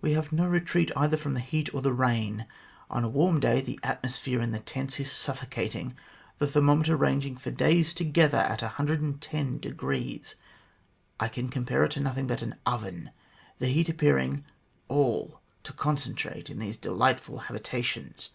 We have no retreat either from the heat or the rain. On a warm day the atmosphere in the tents is suffocating, the thermometer ranging for days together at 110. I can compare it to nothing but an oven, the heat appearing all to concen trate in these delightful habitations.